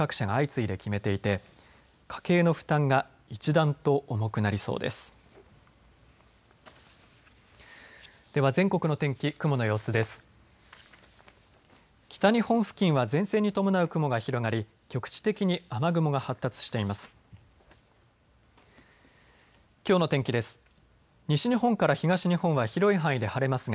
北日本付近は前線に伴う雲が広がり局地的に雨雲が発達しています。